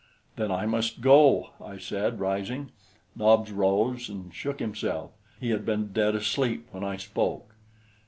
"Then I must go," I said, rising. Nobs rose and shook himself. He had been dead asleep when I spoke.